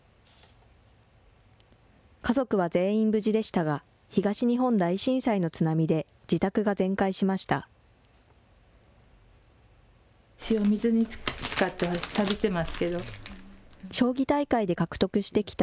家族は全員無事でしたが、東日本大震災の津波で自宅が全壊しました。